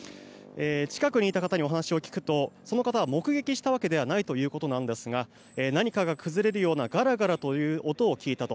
近くにいた方にお話を聞くとその方は目撃したわけではないということですが何かが崩れるようなガラガラという音を聞いたと。